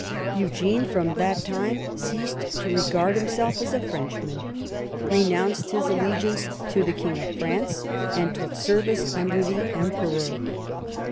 Eugene from that time ceased to regard himself as a French man, renounced his allegiance to the King of France, and took service under the Emperor.